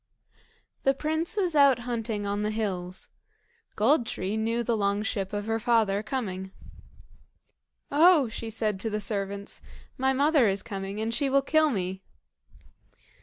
The prince was out hunting on the hills. Gold tree knew the long ship of her father coming. "Oh!" she said to the servants, "my mother is coming, and she will kill me."